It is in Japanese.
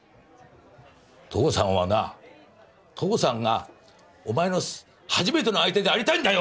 父さんはな父さんがお前の初めての相手でありたいんだよ！